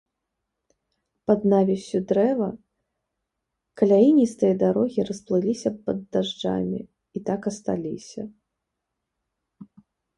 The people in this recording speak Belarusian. Пад навіссю дрэва каляіністыя дарогі расплыліся пад дажджамі і так асталіся.